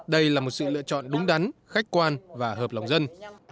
đây là một sự lựa chọn đúng đắn khách quan và hợp lòng dân